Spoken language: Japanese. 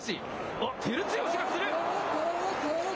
おっ、照強がつる！